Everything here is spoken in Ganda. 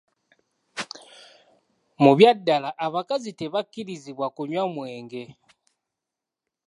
Mu bya ddala abakazi tebakirizibwa kunywa mwenge.